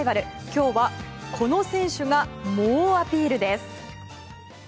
今日は、この選手が猛アピールです。